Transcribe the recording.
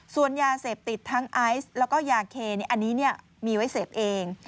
ส่วนยาเสพติดทั้งไอซ์แล้วก็ยาเคอันนี้มีไว้เสพเอง